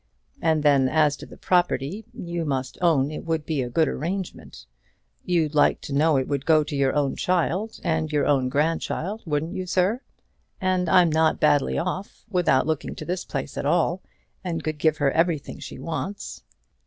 And then as to the property; you must own it would be a good arrangement. You'd like to know it would go to your own child and your own grandchild; wouldn't you, sir? And I'm not badly off, without looking to this place at all, and could give her everything she wants.